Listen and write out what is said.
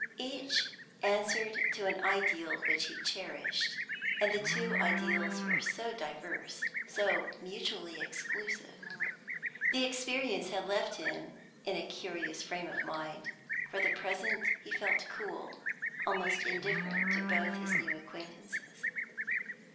Each answered to an ideal which he cherished, and the two ideals were so diverse, so mutually exclusive. The experience had left him in a curious frame of mind. For the present, he felt cool, almost indifferent, to both his new acquaintances.